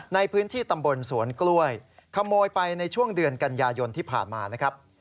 ในพื้นที่ตำบลสวนกล้วยขโมยไปในช่วงเดือนกันยายนที่ผ่านมานะครับ